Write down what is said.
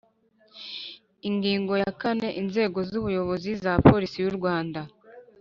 Ingingo ya kane Inzego z ubuyobozi za Polisi y u rwanda